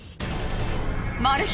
マル秘